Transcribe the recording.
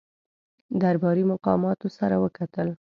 درباري مقاماتو سره وکتل.